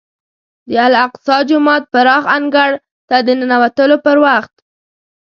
د الاقصی جومات پراخ انګړ ته د ننوتلو پر وخت.